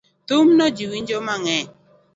Thumno ji winjo mang'eny